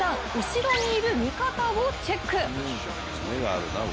後ろにいる味方をチェック。